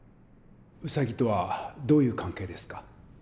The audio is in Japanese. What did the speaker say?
ウサギとはどういう関係ですか？